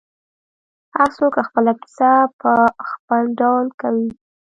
هر څوک خپله کیسه په خپل ډول کوي.